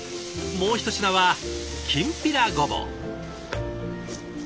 もうひと品はきんぴらごぼう。